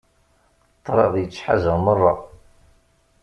Ṭṭraḍ yettḥaz-aɣ merra.